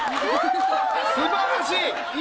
すばらしい！